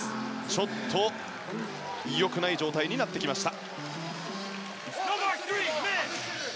ちょっと良くない状態になってきました。